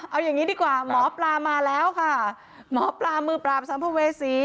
เอาอย่างนี้ดีกว่าหมอปลามาแล้วค่ะหมอปลามือปราบสัมภเวษี